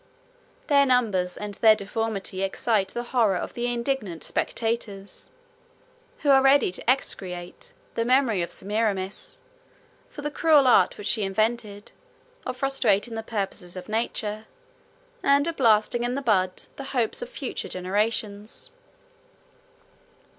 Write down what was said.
Their numbers and their deformity excite the horror of the indignant spectators, who are ready to execrate the memory of Semiramis, for the cruel art which she invented, of frustrating the purposes of nature, and of blasting in the bud the hopes of future generations.